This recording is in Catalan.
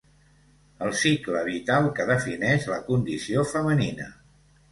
El cicle vital que defineix la condició femenina.